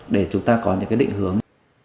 để chúng ta có những cái định hướng